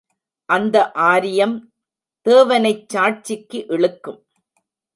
அந்த ஆரியம் தேவனைச் சாட்சிக்கு இழுக்கும்!